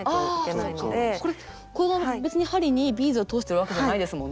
別に針にビーズは通しているわけじゃないですもんね。